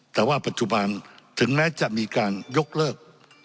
แต่ว่าปัจจุบันถึงแม้จะมีการยกเลิก